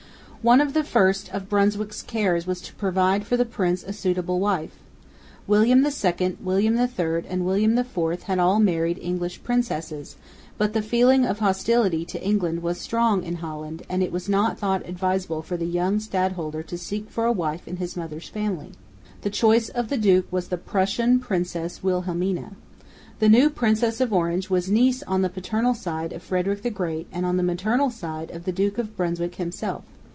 One of the first of Brunswick's cares was to provide for the prince a suitable wife. William II, William III and William IV had all married English princesses, but the feeling of hostility to England was strong in Holland, and it was not thought advisable for the young stadholder to seek for a wife in his mother's family. The choice of the duke was the Prussian Princess Wilhelmina. The new Princess of Orange was niece on the paternal side of Frederick the Great and on the maternal side of the Duke of Brunswick himself.